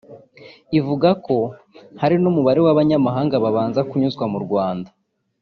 Ivuga ko hari n’umubare w’abanyamahanga babanza kunyuzwa mu Rwanda